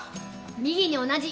右に同じ。